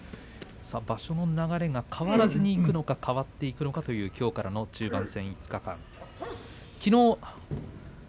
場所の流れが変わらずにいくのか、変わっていくのかというきょうからの中盤戦５日間。